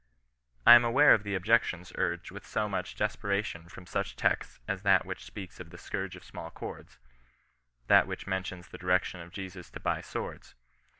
I am aware of the objections urged with so much desperation from such texts as that which speaks of the scourae of small cords, that which men tions the direction oi Jesus to buy swords.